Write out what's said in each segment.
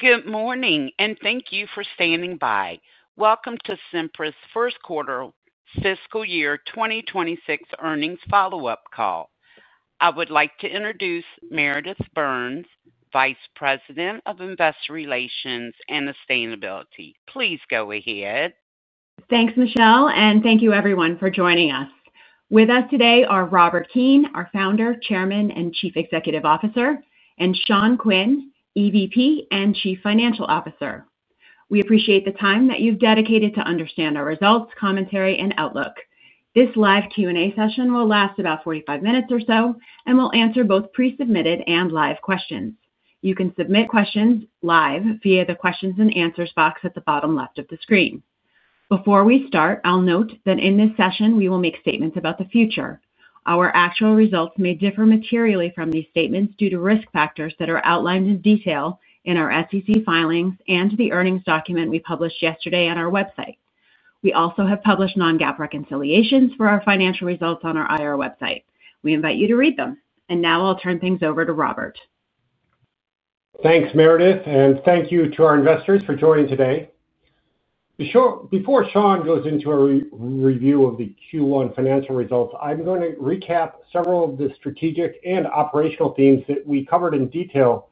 Good morning and thank you for standing by. Welcome to Cimpress's first quarter fiscal year. 2026 earnings follow-up call. I would like to introduce Meredith Burns, Vice President of Investor Relations and Sustainability. Please go ahead. Thanks, Michelle, and thank you everyone for joining us. With us today are Robert S. Keane, our Founder, Chairman and Chief Executive Officer, and Sean Quinn, EVP and Chief Financial Officer. We appreciate the time that you've dedicated to understand our results, commentary and outlook. This live Q&A session will last about 45 minutes or so and will answer both pre-submitted and live questions. You can submit questions live via the Questions and Answers box at the bottom left of the screen. Before we start, I'll note that in this session we will make statements about the future. Our actual results may differ materially from these statements due to risk factors that are outlined in detail in our SEC filings and the earnings document we published yesterday on our website. We also have published non-GAAP reconciliations for our financial results on our IR website. We invite you to read them, and now I'll turn things over to Robert. Thanks Meredith and thank you to our investors for joining today. Before Sean goes into a review of the Q1 financial results, I'm going to recap several of the strategic and operational themes that we covered in detail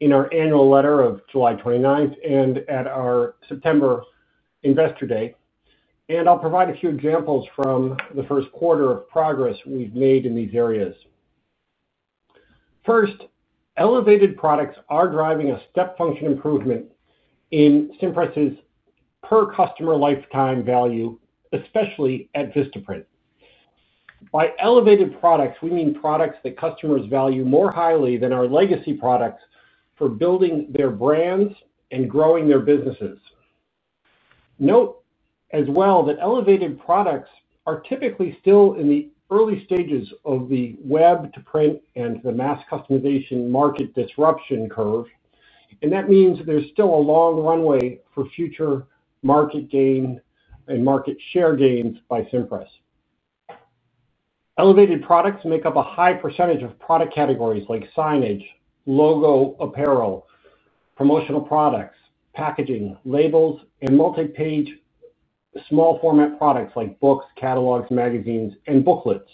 in our annual letter of July 29 and at our September investor day. I'll provide a few examples from the first quarter of progress we've made in these areas. First, elevated products are driving a step function improvement in Cimpress per customer lifetime value, especially at Vista. By elevated products we mean products that customers value more highly than our legacy products for building their brands and growing their businesses. Note as well that elevated products are typically still in the early stages of the web-to-print and the mass customization market disruption curve. That means there's still a long runway for future market gain and market share gains by Cimpress. Elevated products make up a high percentage of product categories like signage, logo apparel, promotional products, packaging, labels, and multi-page small format products like books, catalogs, magazines, and booklets.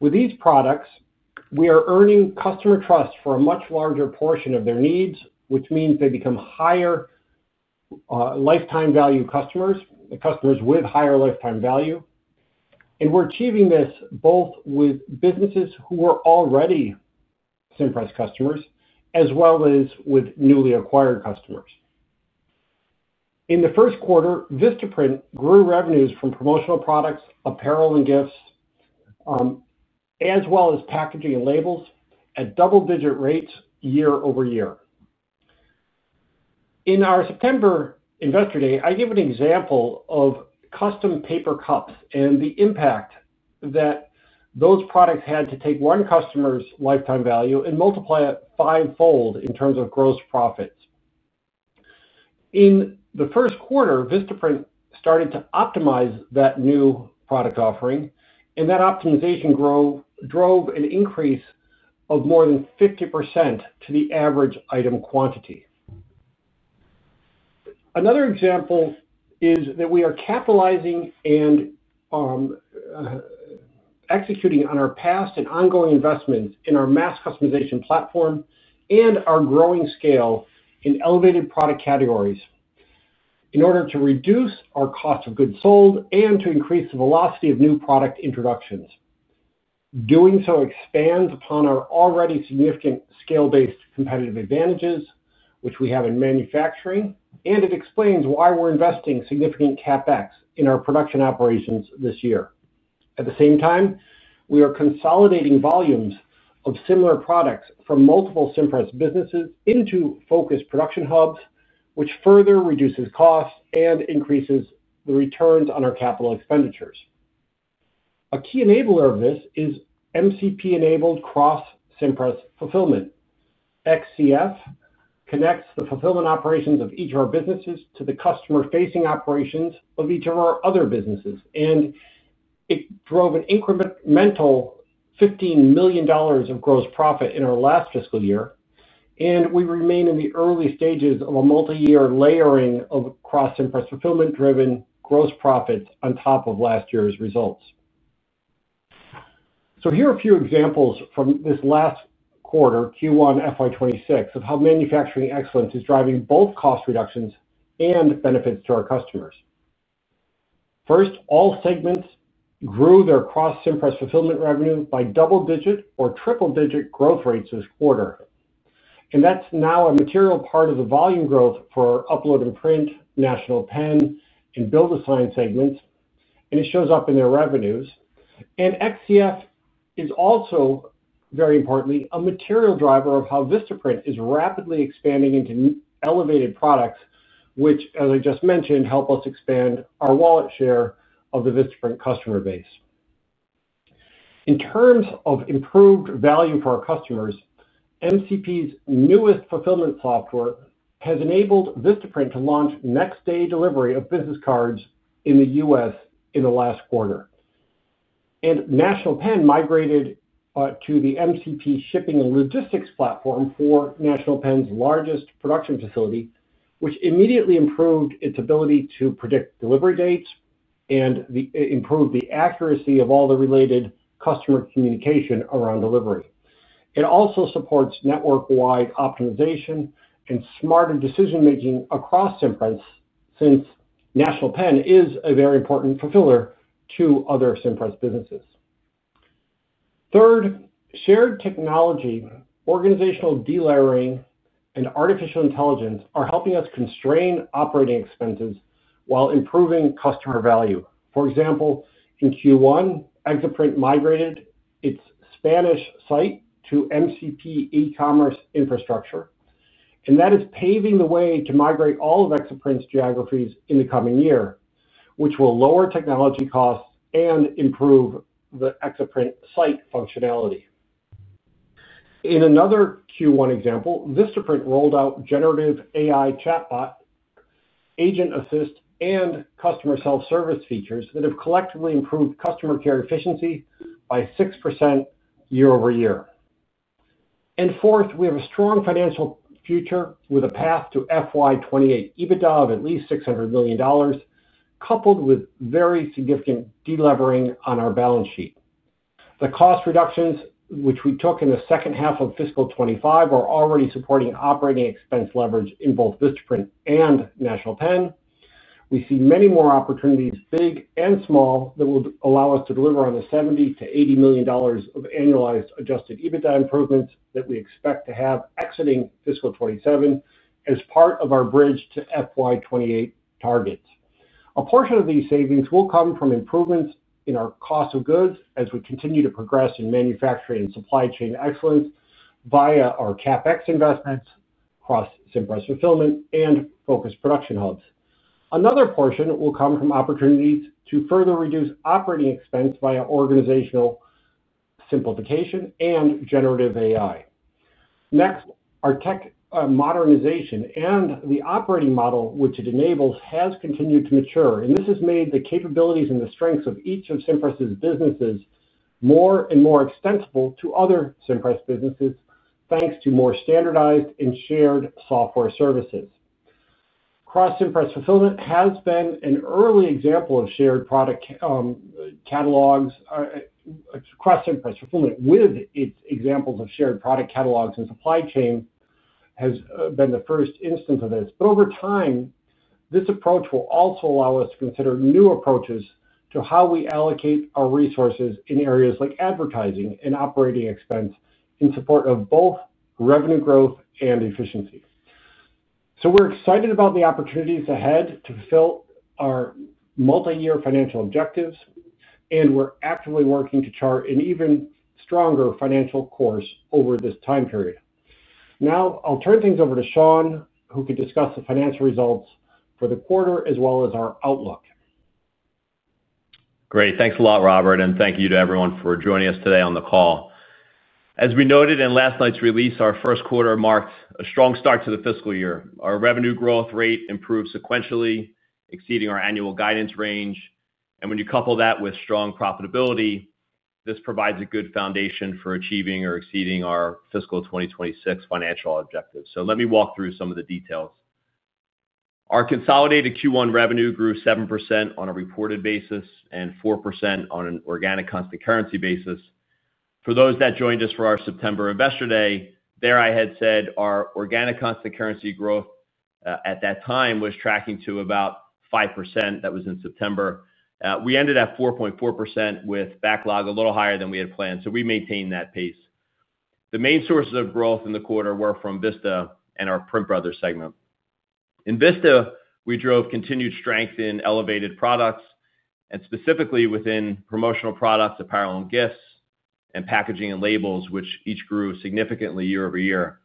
With these products we are earning customer trust for a much larger portion of their needs, which means they become higher lifetime value customers, customers with higher lifetime value. We're achieving this both with businesses who are already Cimpress customers as well as with newly acquired customers. In the first quarter, Vista grew revenues from promotional products, apparel and gifts, as well as packaging and labels, at double-digit rates year-over-year. In our September investor day, I gave an example of custom paper cups and the impact that those products had to take one customer's lifetime value and multiply it fivefold in terms of gross profits. In the first quarter, Vista started to optimize that new product offering and that optimization drove an increase of more than 50% to the average item quantity. Another example is that we are capitalizing and executing on our past and ongoing investments in our Mass Customization Platform and our growing scale in elevated product categories in order to reduce our cost of goods sold and to increase the velocity of new product introductions. Doing so expands upon our already significant scale-based competitive advantages, which we have in manufacturing, and it explains why we're investing significant CapEx in our production operations this year. At the same time, we are consolidating volumes of similar products from multiple Cimpress businesses into focus production hubs, which further reduces costs and increases the returns on our capital expenditures. A key enabler of this is MCP-enabled Cross Cimpress Fulfillment. XCF connects the fulfillment operations of each of our businesses to the customer-facing operations of each of our other businesses, and it drove an incremental $15 million of gross profit in our last fiscal year. We remain in the early stages of a multi-year layering of Cross Cimpress Fulfillment-driven gross profits on top of last year's results. Here are a few examples from this last quarter, Q1 FY2026, of how manufacturing excellence is driving both cost reductions and benefits to our customers. First, all segments grew their Cross Cimpress Fulfillment revenue by double-digit or triple-digit growth rates this quarter, and that's now a material part of the volume growth for Upload and Print, National Pen, and BuildASign segment, and it shows up in their revenues. XCF is also, very importantly, a material driver of how Vista is rapidly expanding into elevated products, which, as I just mentioned, help us expand our wallet share of the Vista customer base in terms of improved value for our customers. MCP's newest fulfillment software has enabled Vista to launch next-day delivery of business cards in the U.S. in the last quarter, and National Pen migrated to the MCP shipping and logistics platform for National Pen's largest production facility, which immediately improved its ability to predict delivery dates and improved the accuracy of all the related customer communication around delivery. It also supports network-wide optimization and smarter decision-making across Cimpress, since National Pen is a very important fulfiller to other Cimpress businesses. Third, shared technology, organizational delayering, and artificial intelligence are helping us constrain operating expenses while improving customer value. For example, in Q1, Exaprint migrated its Spanish site to MCP e-commerce infrastructure, and that is paving the way to migrate all of Exaprint's geographies in the coming year, which will lower technology costs and improve the Exaprint site functionality. In another Q1 example, Vista rolled out generative AI, chatbot agent assist, and Customer Self Service features that have collectively improved customer care efficiency by 6% year over year. Fourth, we have a strong financial future with a path to FY2028 EBITDA of at least $600 million, coupled with very significant delevering on our balance sheet. The cost reductions which we took in the second half of fiscal 2025 are already supporting operating expense leverage in both Vista and National Pen. We see many more opportunities, big and small, that will allow us to deliver on the $70 to $80 million of adjusted EBITDA improvements that we expect to have exiting fiscal 2027 as part of our bridge to FY2028 targets. A portion of these savings will come from improvements in our cost of goods as we continue to progress in manufacturing and supply chain excellence via our CapEx investments, Cross Cimpress Fulfillment, and focus production hubs. Another portion will come from opportunities to further reduce operating expense via organizational simplification and generative AI. Next, our tech modernization and the operating model which it enables has continued to mature, and this has made the capabilities and the strengths of each of Cimpress businesses more and more extensible to other Cimpress businesses thanks to more standardized and shared software services. Cross Cimpress Fulfillment has been an early example of shared product catalogs across enterprise. Fulfillment, with its examples of shared product catalogs and supply chain, has been the first instance of this. Over time, this approach will also allow us to consider new approaches to how we allocate our resources in areas like advertising and operating expense in support of both revenue growth and efficiency. We are excited about the opportunities ahead to fulfill our multi-year financial objectives, and we are actively working to chart an even stronger financial course over this time period. Now I'll turn things over to Sean, who can discuss the financial results for the quarter as well as our outlook. Great. Thanks a lot, Robert. Thank you to everyone for joining us today on the call. As we noted in last night's release, our first quarter marked a strong start to the fiscal year. Our revenue growth rate improved sequentially, exceeding our annual guidance range. When you couple that with strong profitability, this provides a good foundation for achieving or exceeding our fiscal 2026 financial objectives. Let me walk through some of the details. Our consolidated Q1 revenue grew 7% on a reported basis and 4% on an organic constant currency basis. For those that joined us for our September investor day, I had said our organic constant currency growth at that time was tracking to about 5%. That was in September. We ended at 4.4% with backlog a little higher than we had planned, so we maintained that pace. The main sources of growth in the quarter were from Vista and our Print Brothers segment. In Vista, we drove continued strength in elevated products and specifically within promotional products, apparel and gifts, packaging and labels, which each grew significantly year over year.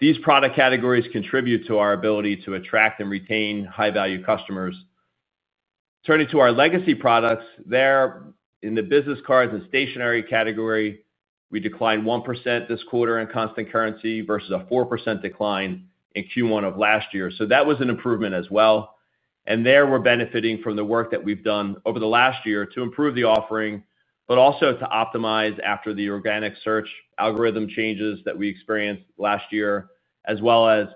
These product categories contribute to our ability to attract and retain high value customers. Turning to our legacy products in the business cards and stationery category, we declined 1% this quarter in constant currency versus a 4% decline in Q1 of last year. That was an improvement as well. We are benefiting from the work that we've done over the last year to improve the offering, but also to optimize after the organic search algorithm changes that we experienced last year, as well as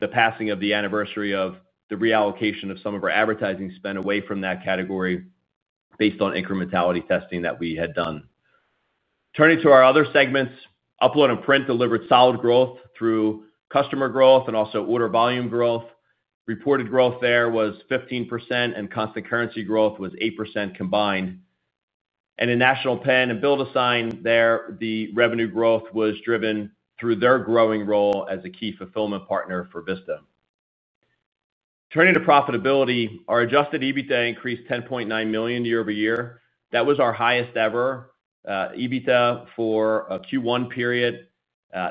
the passing of the anniversary of the reallocation of some of our advertising spend away from that category based on incrementality testing that we had done. Turning to our other segments, Upload and Print delivered solid growth through customer growth and also order volume growth. Reported growth there was 15% and constant currency growth was 8% combined. In National Pen and BuildASign, the revenue growth was driven through their growing role as a key fulfillment partner for Vista. Turning to profitability, our adjusted EBITDA increased $10.9 million year over year. That was our highest ever EBITDA for a Q1 period.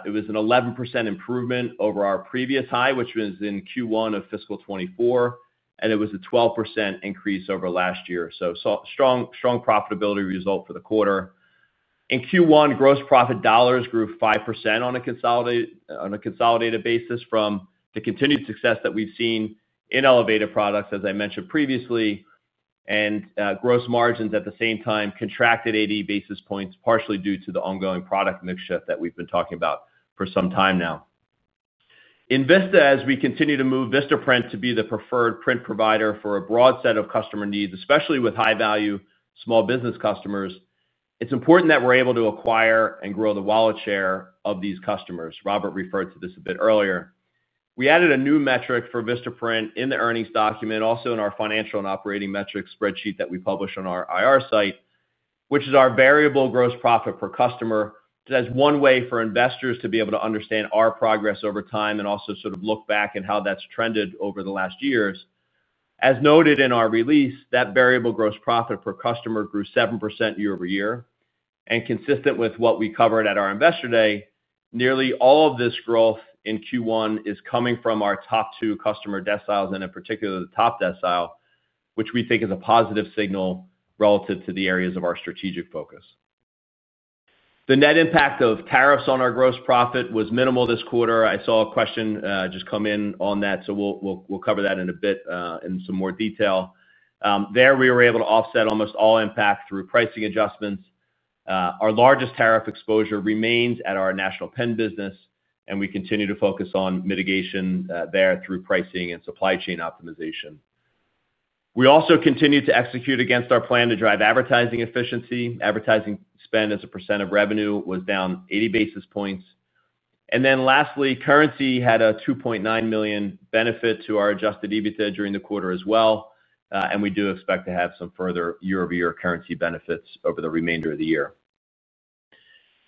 It was an 11% improvement over our previous high, which was in Q1 of fiscal 2024, and it was a 12% increase over last year. Strong profitability result for the quarter in Q1. Gross profit dollars grew 5% on a consolidated basis from the continued success that we've seen in elevated products as I mentioned previously, and gross margins at the same time contracted 80 basis points, partially due to the ongoing product mix shift that we've been talking about for some time now in Vista. As we continue to move Vista to be the preferred print provider for a broad set of customer needs, especially with high value small business customers, it's important that we're able to acquire and grow the wallet share of these customers. Robert referred to this a bit earlier. We added a new metric for Vista in the earnings document, also in our financial and operating metrics spreadsheet that we published on our IR site, which is our variable gross profit per customer. That's one way for investors to be able to understand our progress over time and also sort of look back at how that's trended over the last years. As noted in our release, that variable gross profit per customer grew 7% year over year and consistent with what we covered at our investor day, nearly all of this growth in Q1 is coming from our top two customer deciles and in particular the top decile, which we think is a positive signal relative to the areas of our strategic focus. The net impact of tariffs on our gross profit was minimal this quarter. I saw a question just come in on that, so we'll cover that in a bit in some more detail there. We were able to offset almost all impact through pricing adjustments. Our largest tariff exposure remains at our National Pen business and we continue to focus on mitigation there through pricing and supply chain optimization. We also continued to execute against our plan to drive advertising efficiency. Advertising spend as a percent of revenue was down 80 basis points. Lastly, currency had a $2.9 million benefit to our adjusted EBITDA during the quarter as well, and we do expect to have some further year over year currency benefits over the remainder of the year.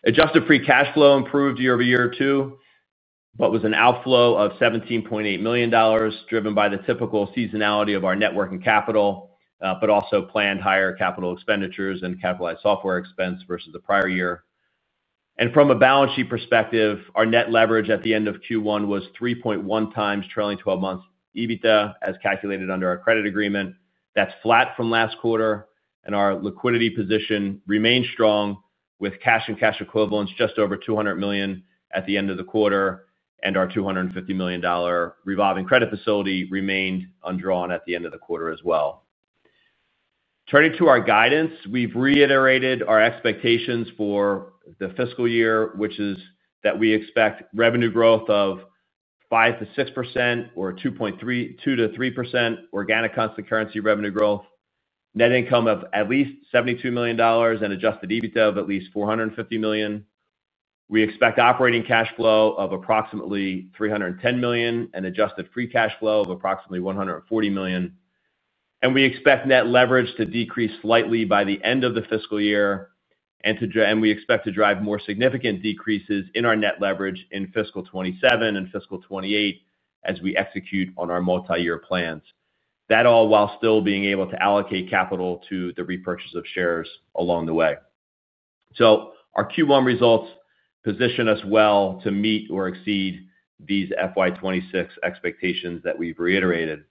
Adjusted free cash flow improved year over year too, but with an outflow of $17.8 million driven by the typical seasonality of our net working capital, but also planned higher capital expenditures and capitalized software expense versus the prior year. From a balance sheet perspective, our net leverage at the end of Q1 was 3.1 times trailing 12 months EBITDA as calculated under our credit agreement. That's flat from last quarter, and our liquidity position remains strong with cash and cash equivalents just over $200 million at the end of the quarter. Our $250 million revolving credit facility remained undrawn at the end of the quarter as well. Turning to our guidance, we've reiterated our expectations for the fiscal year, which is that we expect revenue growth of 5 to 6% or 2.3 to 3% organic constant currency revenue growth, net income of at least $72 million, and adjusted EBITDA of at least $450 million. We expect operating cash flow of approximately $310 million and adjusted free cash flow of approximately $140 million, and we expect net leverage to decrease slightly by the end of the fiscal year. We expect to drive more significant decreases in our net leverage in fiscal 2027 and fiscal 2028 as we execute on our multi-year plans, all while still being able to allocate capital to the repurchase of shares along the way. Our Q1 results position us well to meet or exceed these FY2026 expectations that we've reiterated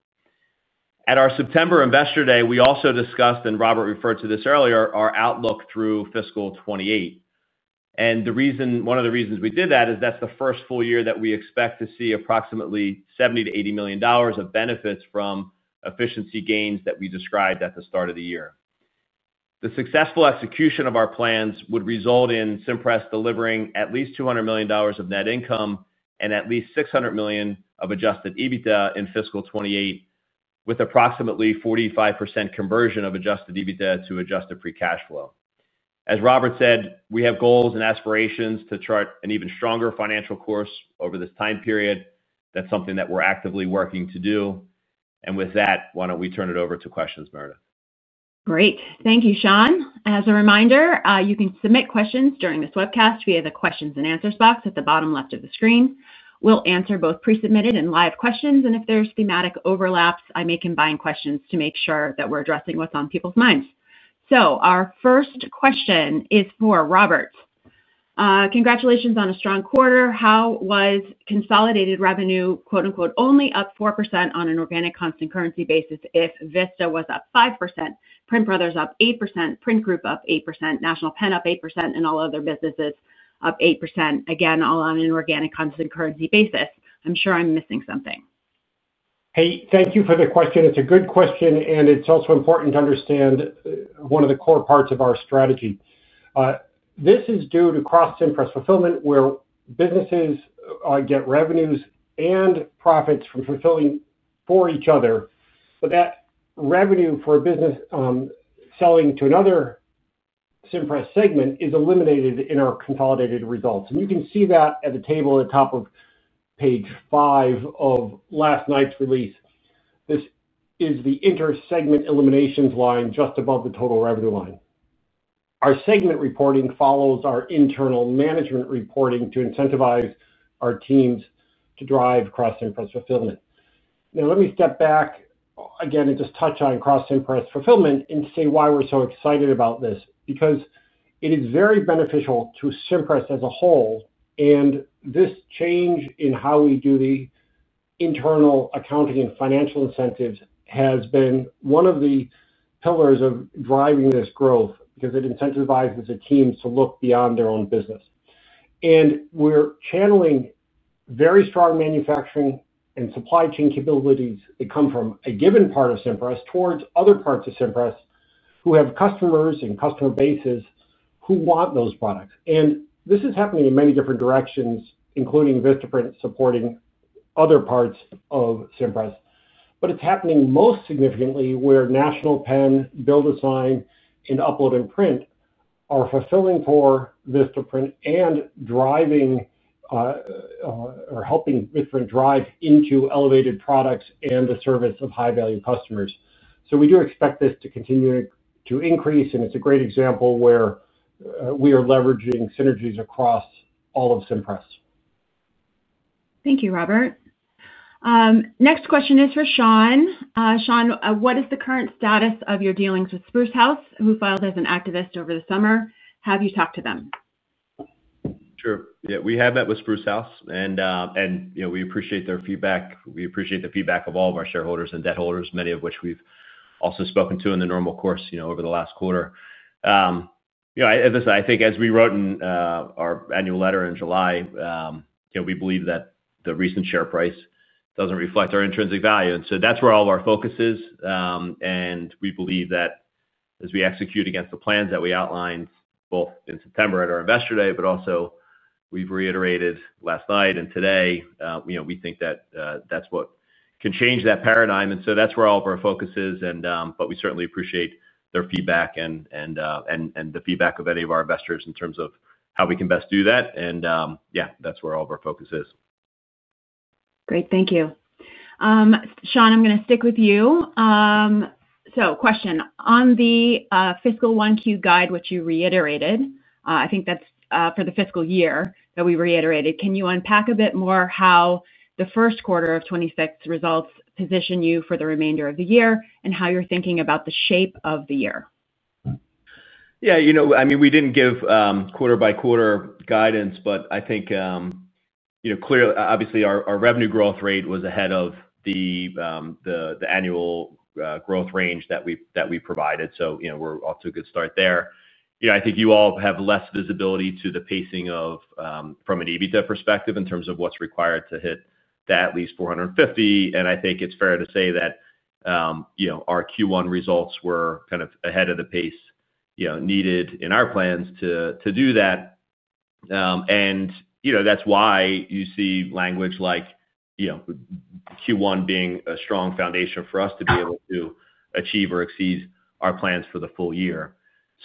at our September investor day. We also discussed, and Robert referred to this earlier, our outlook through fiscal 2028. One of the reasons we did that is that's the first full year that we expect to see approximately $70 to $80 million of benefits from efficiency gains that we described at the start of the year. The successful execution of our plans would result in Cimpress delivering at least $200 million of net income and at least $600 million of adjusted EBITDA in fiscal 2028, with approximately 45% conversion of adjusted EBITDA to adjusted free cash flow. As Robert said, we have goals and aspirations to chart an even stronger financial course over this time period. That's something that we're actively working to do. With that, why don't we turn it over to questions? Great. Thank you, Sean. As a reminder, you can submit questions during this webcast via the Questions and Answers box at the bottom left of the screen. We will answer both pre-submitted and live questions. If there's thematic overlaps, I may combine questions to make sure that we're addressing what's on people's minds. Our first question is for Robert. Congratulations on a strong quarter. How was consolidated revenue "only" up 4% on an organic constant currency basis if Vista was up 5%, Print Brothers up 8%, Print Group up 8%, National Pen up 8%, and all other businesses up 8%, again all on an organic constant currency basis. I'm sure I'm missing something. Thank you for the question. It's a good question and it's also important to understand one of the core parts of our strategy. This is due to Cross Cimpress Fulfillment where businesses get revenues and profits from fulfilling for each other, but that revenue for a business selling to another Cimpress segment is eliminated in our consolidated results. You can see that at the table at the top of page five of last night's release. This is the inter-segment eliminations line just above the total revenue line. Our segment reporting follows our internal management reporting to incentivize our teams to drive Cross Cimpress Fulfillment. Let me step back again and just touch on Cross Cimpress Fulfillment and say why we're so excited about this because it is very beneficial to Cimpress as a whole, and this change in how we do the internal accounting and financial incentives has been one of the pillars of driving this growth because it incentivizes the teams to look beyond their own business. We're channeling very strong manufacturing and supply chain capabilities that come from a given part of Cimpress towards other parts of Cimpress who have customers and customer bases who want those products. This is happening in many different directions, including Vista supporting other parts of Cimpress. It's happening most significantly where National Pen, BuildASign, and Upload and Print are fulfilling for Vista and driving or helping Mithran drive into elevated products and the service of high value customers. We do expect this to continue to increase and it's a great example where we are leveraging synergies across all of Cimpress. Thank you, Robert. Next question is for Sean. Sean, what is the current status of your dealings with Spruce House, who filed as an activist over the summer? Have you talked to them? Sure. We have met with Spruce House and we appreciate their feedback. We appreciate the feedback of all of our shareholders and debt holders, many of which we've also spoken to in the normal course over the last quarter. As we wrote in our annual letter in July, we believe that the recent share price doesn't reflect our intrinsic value. That's where all our focus is. We believe that as we execute against the plans that we outlined both in September at our investor day, and also as we've reiterated last night and today, we think that that's what can change that paradigm. That's where all of our focus is. We certainly appreciate their feedback and the feedback of any of our investors in terms of how we can best do that. That's where all of our focus is. Great. Thank you, Sean. I'm going to stick with you. A question on the fiscal 1Q guide, which you reiterated. I think that's for the fiscal year that we reiterated. Can you unpack a bit more how 1Q26 results position you for the remainder of the year and how you're thinking about the shape of the year? Yeah, you know, I mean, we didn't give quarter by quarter guidance, but I think, you know, clearly our revenue growth rate was ahead of the annual growth range that we provided. We're off to a good start there. I think you all have less visibility to the pacing from an EBITDA perspective in terms of what's required to hit at least $450 million. I think it's fair to say that our Q1 results were ahead of the pace needed in our plans to do that. That's why you see language like Q1 being a strong foundation for us to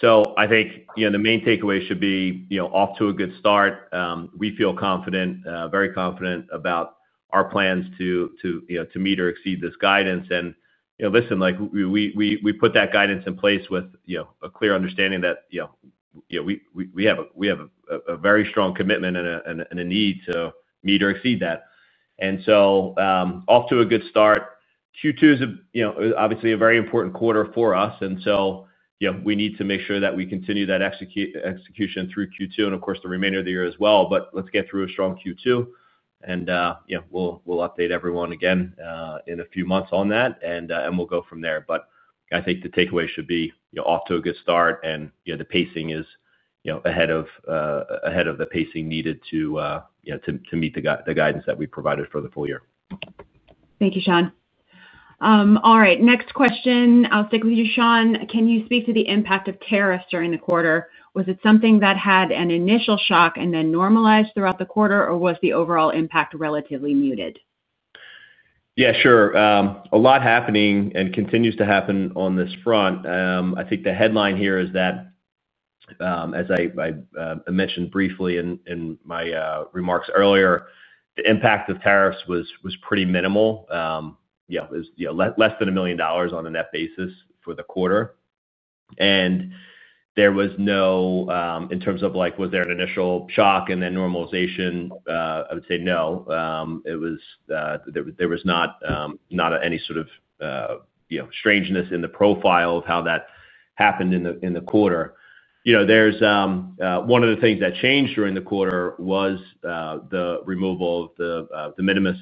be able to achieve or exceed our plans for the full year. I think the main takeaway should be we're off to a good start. We feel confident, very confident about our plans to meet or exceed this guidance. We put that guidance in place with a clear understanding that we have a very strong commitment and a need to meet or exceed that. We're off to a good start. Q2 is obviously a very important quarter for us, and we need to make sure that we continue that execution through Q2 and, of course, the remainder of the year as well. Let's get through a strong Q2 and we'll update everyone again in a few months on that, and we'll go from there. I think the takeaway should be off to a good start, and the pacing is ahead of the pacing needed to meet the guidance that we provided for the full year. Thank you, Sean. All right, next question. I'll stick with you, Sean. Can you speak to the impact of tariffs during the quarter? Was it something that had an initial shock and then normalized throughout the quarter, or was the overall impact relatively muted? Yeah, sure. A lot happening and continues to happen on this front. I think the headline here is that, as I mentioned briefly in my remarks earlier, the impact of tariffs was pretty minimal, less than $1 million on a net basis for the quarter. There was no, in terms of, like, was there an initial shock and then normalization? I would say no. There was not any sort of strangeness in the profile of how that happened in the quarter. One of the things that changed during the quarter was the removal of the de minimis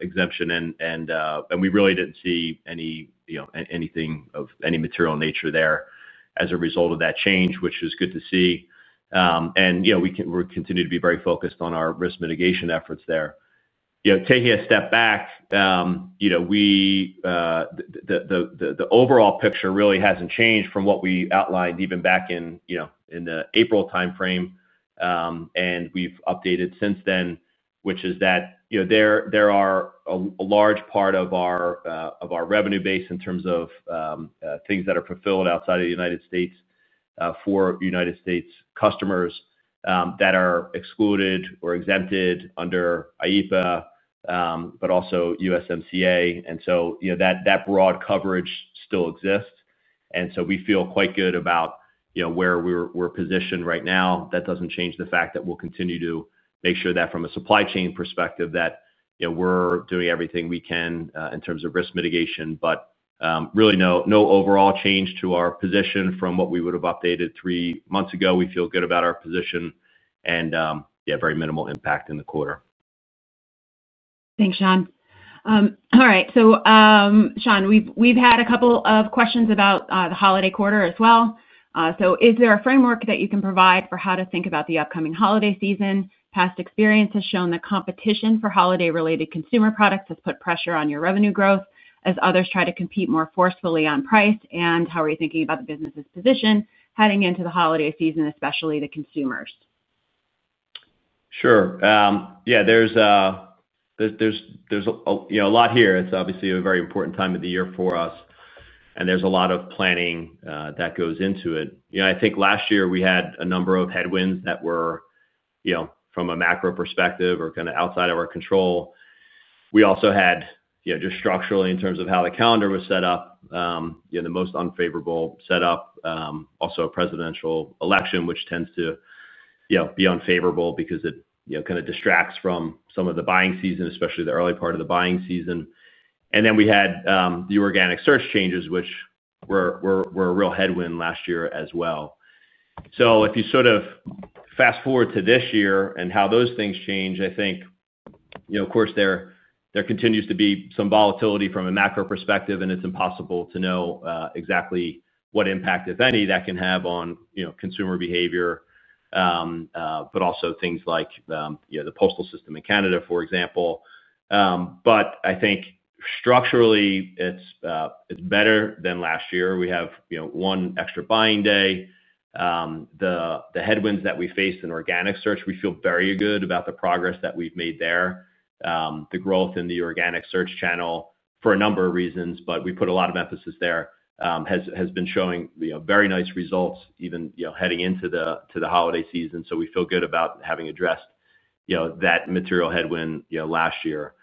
exemption, and we really didn't see anything of any material nature there as a result of that change, which is good to see. We continue to be very focused on our risk mitigation efforts there. Taking a step back, the overall picture really hasn't changed from what we outlined even back in the April timeframe, and we've updated since then, which is that there are a large part of our revenue base in terms of things that are fulfilled outside of the U.S. for U.S. customers that are excluded or exempted under IEPA, but also USMCA. That broad coverage still exists, and we feel quite good about where we're positioned right now. That doesn't change the fact that we'll continue to make sure that from a supply chain perspective we're doing everything we can in terms of risk mitigation, but really no overall change to our position from what we would have updated three months ago. We feel good about our position and, yeah, very minimal impact in the quarter. Thanks, Sean. All right. Sean, we've had a couple of questions about the holiday quarter as well. Is there a framework that you can provide for how to think about the upcoming holiday season? Past experience has shown that competition for holiday related consumer products has put pressure on your revenue growth as others try to compete more forcefully on price. How are you thinking about the business's position heading into the holiday season, especially the consumers? Sure, yeah, there's a lot here. It's obviously a very important time of the year for us, and there's a lot of planning that goes into it. I think last year we had a number of headwinds that were from a macro perspective or kind of outside of our control. We also had, just structurally in terms of how the calendar was set up, the most unfavorable setup. Also, a presidential election, which tends to be unfavorable because it kind of distracts from some of the buying season, especially the early part of the buying season. Then we had the organic search changes, which were a real headwind last year as well. If you sort of fast forward to this year and how those things change, I think of course there continues to be some volatility from a macro perspective, and it's impossible to know exactly what impact, if any, that can have on consumer behavior. Also, things like the postal system in Canada, for example. I think structurally it's better than last year. We have one extra buying day. The headwinds that we face in organic search, we feel very good about the progress that we've made there, the growth in the organic search channel for a number of reasons, but we put a lot of emphasis. There has been showing very nice results even heading into the holiday season. We feel good about having addressed that material headwind last year.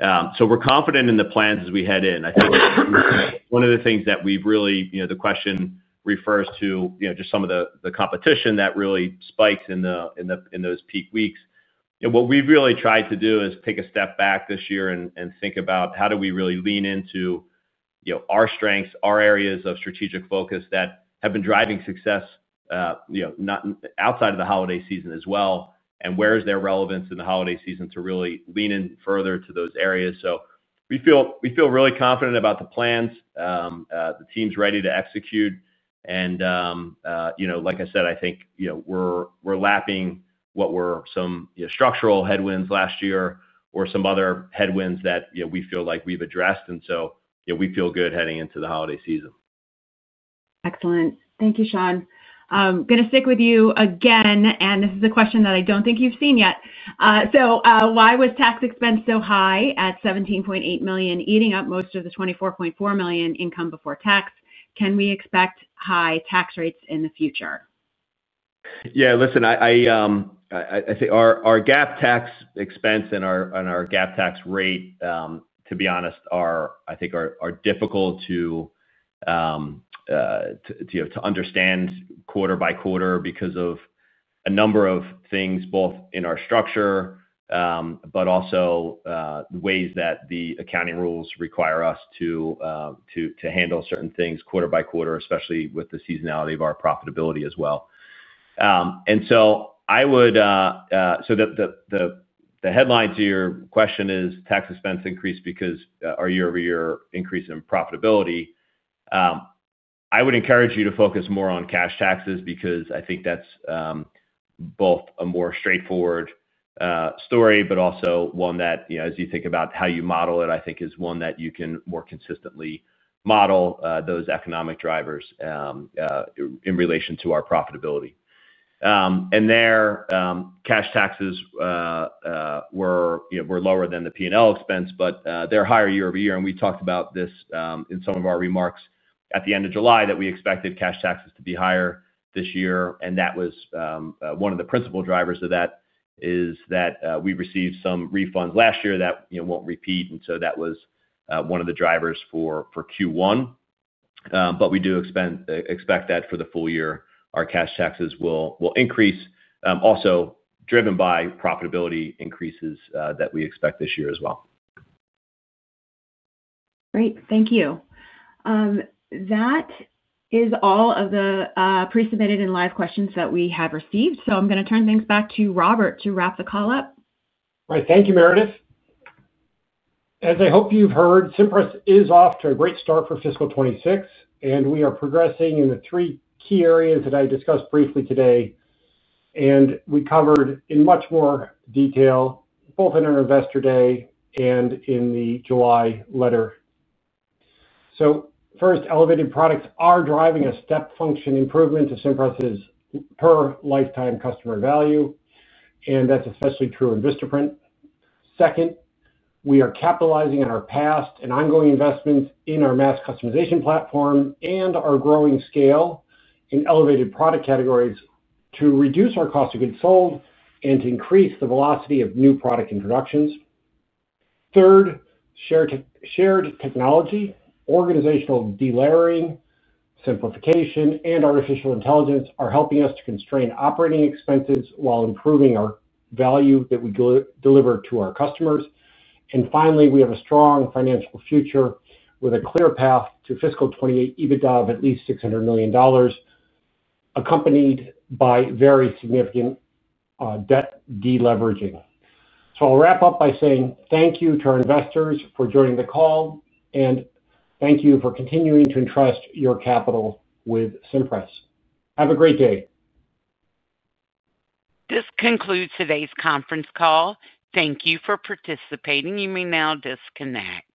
We're confident in the plans as we head in. I think one of the things that we've really, the question refers to just some of the competition that really spikes in those peak weeks. What we've really tried to do is take a step back this year and think about how do we really lean into our strengths, our areas of strategic focus that have been driving success outside of the holiday season as well, and where is their relevance in the holiday season to really lean in further to those areas. We feel really confident about the plans, the team's ready to execute. Like I said, I think we're lapping what were some structural headwinds last year or some other headwinds that we feel like we've addressed. We feel good heading into the holiday season. Excellent. Thank you, Sean. Going to stick with you again. This is a question that I don't think you've seen yet. Why was tax expense so high at $17.8 million, eating up most of the $24.4 million income before tax? Can we expect high tax rates in the future? Yeah, listen, I think our GAAP tax expense and our GAAP tax rate, to be honest, are difficult to understand quarter by quarter because of a number of things, both in our structure, but also ways that the accounting rules require us to handle certain things quarter by quarter, especially with the seasonality of our profitability as well. The headline to your question is tax expense increased because our year over year increase in profitability. I would encourage you to focus more on cash taxes because I think that's both a more straightforward story, but also one that as you think about how you model it, is one that you can more consistently model those economic drivers in relation to our profitability. Their cash taxes were lower than the P&L expense, but they're higher year over year. We talked about this in some of our remarks at the end of July that we expected cash taxes to be higher this year. One of the principal drivers of that is that we received some refunds last year that won't repeat. That was one of the drivers for Q1. We do expect that for the full year our cash taxes will increase, also driven by profitability increases that we expect this year as well. Great. Thank you. That is all of the pre-submitted and live questions that we have received. I am going to turn things back to Robert to wrap the call up. All right, thank you, Meredith. As I hope you've heard, Cimpress is off to a great start for fiscal 2026, and we are progressing in the three key areas that I discussed briefly today and we covered in much more detail both in our investor day and in the July letter. First, elevated products are driving a step function improvement to Cimpress's per lifetime customer value, and that's especially true in Vista. Second, we are capitalizing on our past and ongoing investments in our Mass Customization Platform and our growing scale in elevated product categories to reduce our cost of goods sold and to increase the velocity of new product introductions. Third, shared technology, organizational delayering, simplification, and artificial intelligence are helping us to constrain operating expenses while improving our value that we deliver to our customers. Finally, we have a strong financial future with a clear path to fiscal 2028 EBITDA of at least $600 million, accompanied by very significant debt deleveraging. I'll wrap up by saying thank you to our investors for joining the call, and thank you for continuing to entrust your capital with Cimpress. Have a great day. This concludes today's conference call. Thank you for participating. You may now disconnect.